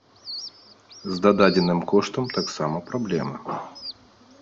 З дададзеным коштам таксама праблемы.